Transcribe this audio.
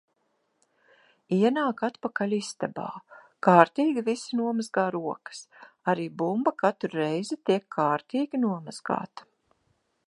Ienāk atpakaļ istabā, kārtīgi visi nomazgā rokas. Arī bumba katru reizi tiek kārtīgi nomazgāta.